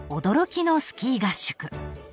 驚きのスキー合宿］